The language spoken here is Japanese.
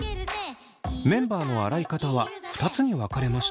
メンバーの洗い方は２つに分かれました。